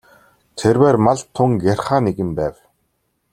Тэрбээр малд тун гярхай нэгэн байв.